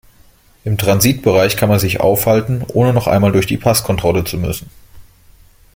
Im Transitbereich kann man sich aufhalten, ohne noch einmal durch die Passkontrolle zu müssen.